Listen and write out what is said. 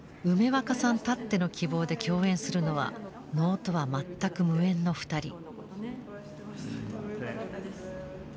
梅若さんたっての希望で共演するのは能とは全く無縁の２人。